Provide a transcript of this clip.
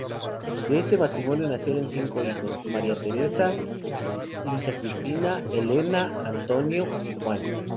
De este matrimonio nacieron cinco hijos: María Teresa, Luisa Cristina, Elena, Antonio y Juan.